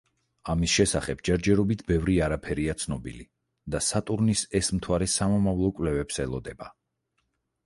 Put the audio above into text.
მის შესახებ ჯერჯერობით ბევრი არაფერია ცნობილი და სატურნის ეს მთვარე სამომავლო კვლევებს ელოდება.